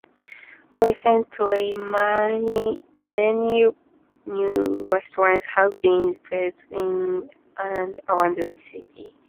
Recently many new restaurants have been built in and around the city.